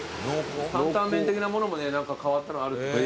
担々麺的なものもね変わったのあるって。